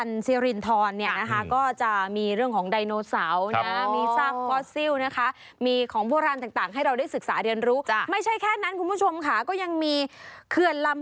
ของชาวกาลสินได้ดีเลยทีเดียวนะคะ